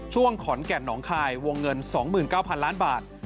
ช่วงขอนแก่นหนองคายวงเงิน๒๙๐๐ล้านบาท